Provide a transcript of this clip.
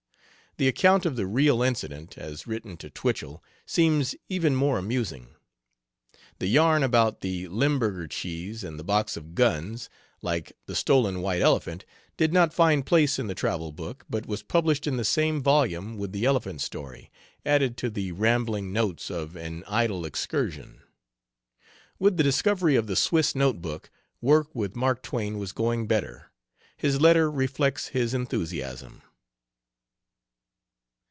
The account of the real incident, as written to Twichell, seems even more amusing. The "Yarn About the Limburger Cheese and the Box of Guns," like "The Stolen White Elephant," did not find place in the travel book, but was published in the same volume with the elephant story, added to the rambling notes of "An Idle Excursion." With the discovery of the Swiss note book, work with Mark Twain was going better. His letter reflects his enthusiasm.